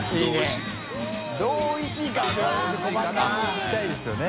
聞きたいですよね。